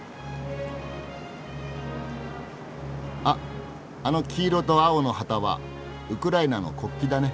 あっあの黄色と青の旗はウクライナの国旗だね。